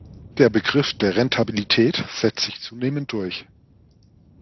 Der Begriff der Rentabilität setzt sich zunehmend durch.